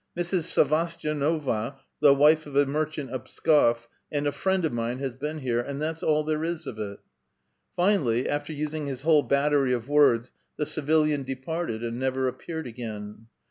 Mrs. 8avastyduova, the wife of a merchant of Pskof , and a friend of mine has been here, and that's all there is of it." Finally, after using his whole battery of words, the civil ian departed, and never appeared again.